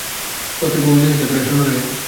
প্রত্যেক ভাগে দুই হাজার করিয়া সৈন্য রহিল।